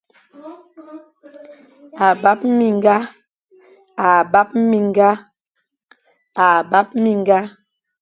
A bap minga.